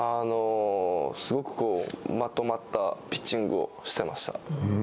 すごくまとまったピッチングをしてました。